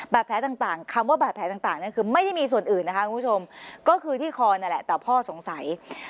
แผลต่างคำว่าบาดแผลต่างเนี่ยคือไม่ได้มีส่วนอื่นนะคะคุณผู้ชมก็คือที่คอนั่นแหละแต่พ่อสงสัย